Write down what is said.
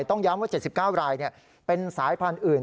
ต้องย้ำว่า๗๙รายเป็นสายพันธุ์อื่น